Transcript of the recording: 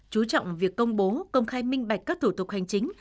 chú trọng việc công bố công khai minh bạch các thủ tục hành chính